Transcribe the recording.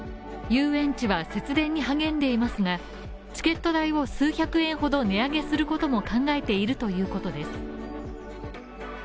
遊園地は節電に励んでいますがチケット代を数百円ほど値上げすることも考えているということです。